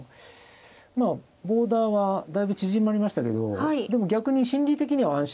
まあボーダーはだいぶ縮まりましたけどでも逆に心理的には安心したはずです。